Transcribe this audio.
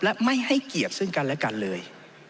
และไม่ให้เกียรติซึ่งกันและกันเลย